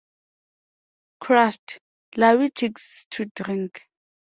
Crushed, Larry takes to drink.